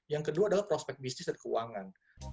yang kedua adalah prospek bisnis dan keuangan